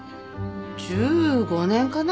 １５年かな？